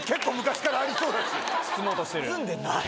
・包んでない・